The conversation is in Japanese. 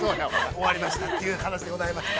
◆終わりましたという話でございました。